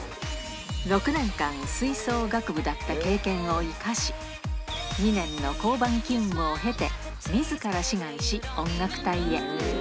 ６年間、吹奏楽部だった経験を生かし、２年の交番勤務を経て、みずから志願し、音楽隊へ。